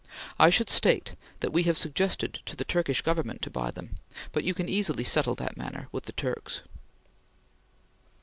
I should state that we have suggested to the Turkish Government to buy them; but you can easily settle that matter with the Turks....